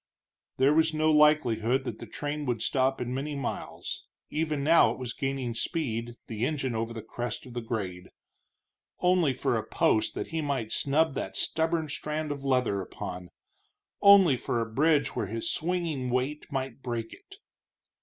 There was no likelihood that the train would stop in many miles even now it was gaining speed, the engine over the crest of the grade. Only for a post that he might snub that stubborn strand of leather upon! only for a bridge where his swinging weight might break it!